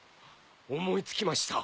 思い付きました。